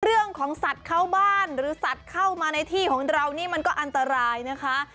เรื่องของสัตว์เข้าบ้านหรือสัตว์เข้ามาในที่ของเรานี่มันก็อันตรายนะคะ